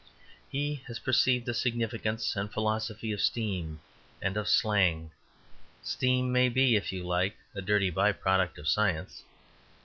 He has perceived the significance and philosophy of steam and of slang. Steam may be, if you like, a dirty by product of science.